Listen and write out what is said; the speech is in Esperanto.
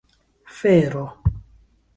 fero